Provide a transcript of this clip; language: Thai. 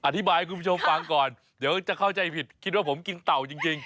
ให้คุณผู้ชมฟังก่อนเดี๋ยวจะเข้าใจผิดคิดว่าผมกินเต่าจริง